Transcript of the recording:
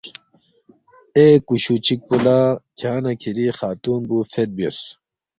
اے کُشُو چِک پو لہ کھیانگ نہ کِھری خاتون پو فید بیوس